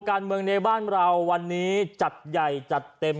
การเมืองในบ้านเราวันนี้จัดใหญ่จัดเต็ม